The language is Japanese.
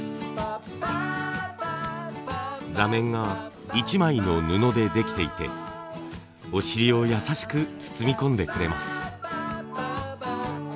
座面が一枚の布でできていてお尻を優しく包み込んでくれます。